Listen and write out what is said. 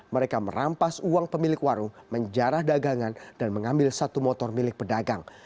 mereka merampas uang pemilik warung menjarah dagangan dan mengambil satu motor milik pedagang